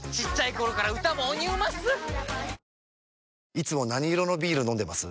いつも何色のビール飲んでます？